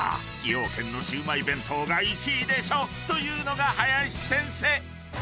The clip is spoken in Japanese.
「崎陽軒」のシウマイ弁当が１位でしょというのが林先生］